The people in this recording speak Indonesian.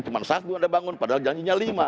cuma satu anda bangun padahal janjinya lima